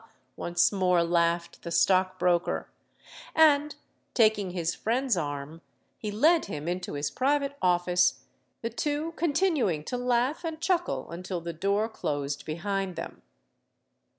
once more laughed the stockbroker; and, taking his friend's arm, he led him into his private office, the two continuing to laugh and chuckle until the door closed behind them.